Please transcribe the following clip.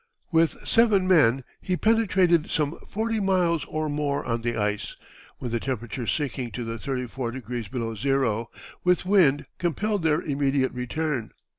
With seven men he penetrated some forty miles or more on the ice, when the temperature, sinking to thirty four degrees below zero, with wind, compelled their immediate return.